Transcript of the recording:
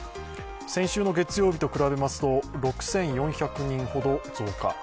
先週の月曜日と比べますと６４００人ほど増加。